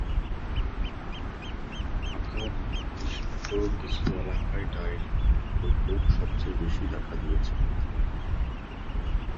তিনি কয়েকটি মালায়ালাম চলচ্চিত্রেও হাজির হয়েছেন।